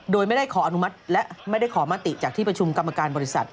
โดยไม่ได้ขออนุมัติและไม่ได้ขอมติจากที่ประชุมกรรมการบริษัท